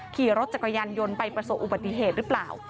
ขี่รถจักรยานยนต์ไปประสบอุบัติเหตุหรือเปล่า